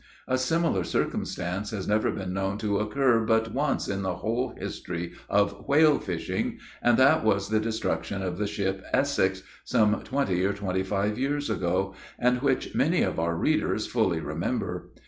A similar circumstance has never been known to occur but once in the whole history of whale fishing, and that was the destruction of the ship Essex, some twenty or twenty five years ago, and which many of our readers fully remember.